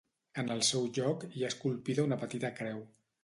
En el seu lloc hi ha esculpida una petita creu.